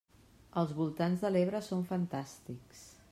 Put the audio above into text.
Els voltants de l'Ebre són fantàstics!